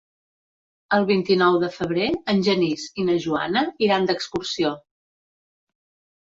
El vint-i-nou de febrer en Genís i na Joana iran d'excursió.